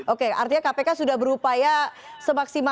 oke artinya kpk sudah berupaya semaksimal